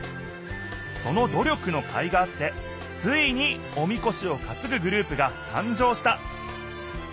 そのど力のかいがあってついにおみこしをかつぐグループがたん生した。